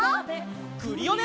クリオネ！